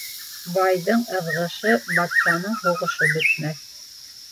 Байҙың ыҙғышы, батшаның һуғышы бөтмәҫ.